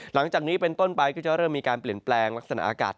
หลังจากนี้เป็นต้นไปก็จะเริ่มมีการเปลี่ยนแปลงลักษณะอากาศ